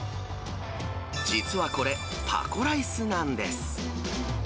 実はこれ、タコライスなんです。